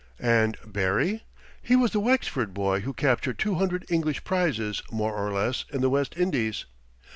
"And Barry? He was the Wexford boy who captured 200 English prizes more or less in the West Indies.